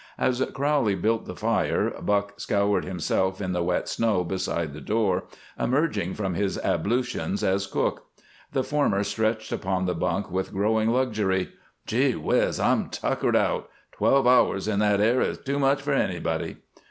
As Crowley built the fire Buck scoured himself in the wet snow beside the door, emerging from his ablutions as cook. The former stretched upon the bunk with growing luxury. "Gee whiz! I'm tuckered out. Twelve hours in that air is too much for anybody."